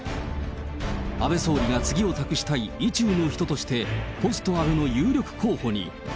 安倍総理が次を託したい意中の人として、ポスト安倍の有力候補に。